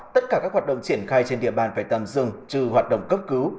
tất cả các hoạt động triển khai trên địa bàn phải tạm dừng trừ hoạt động cấp cứu